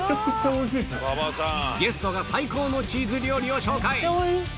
ゲストが最高のチーズ料理を紹介！